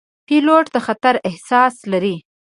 پیلوټ د خطر احساس لري.